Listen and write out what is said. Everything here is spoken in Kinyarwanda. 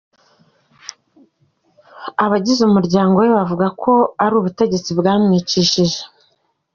Abagize umuryango we bavuga ko ari ubutegetsi bwamwicishije.